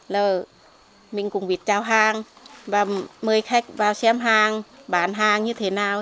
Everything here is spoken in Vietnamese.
là mình cũng biết trao hàng và mời khách vào xem hàng bán hàng như thế nào